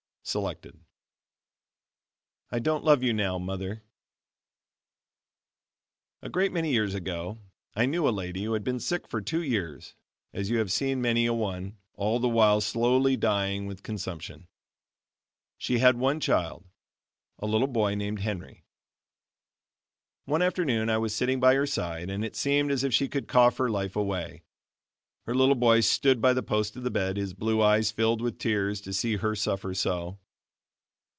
Selected. "I DON'T LOVE YOU NOW, MOTHER" A great many years ago, I knew a lady who had been sick for two years, as you have seen many a one, all the while slowly dying with consumption. She had one child a little boy named Henry. One afternoon I was sitting by her side and it seemed as if she would cough her life away. Her little boy stood by the post of the bed, his blue eyes filled with tears to see her suffer so.